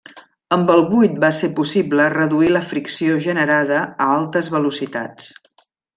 Amb el buit va ser possible reduir la fricció generada a altes velocitats.